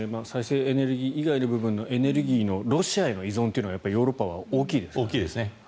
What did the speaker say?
再生エネルギー以外のエネルギーのロシアへの依存というのはヨーロッパは大きいですね。